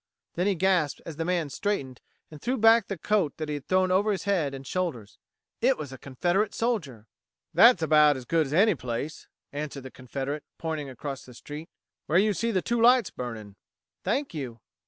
Then he gasped as the man straightened and threw back the coat he had thrown over his head and shoulders: it was a Confederate soldier! "That's about as good as any place," answered the Confederate, pointing across the street. "Where you see the two lights burning." "Thank you."